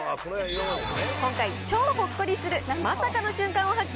今回、超ほっこりするまさかの瞬間を発見。